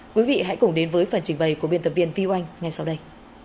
quý vị hãy cùng đến với phần trình bày của biên tập viên viu anh ngay sau đây